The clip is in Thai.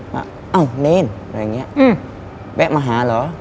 ว่าอ้าวเนรอะไรอย่างนี้แวะมาหาเหรอ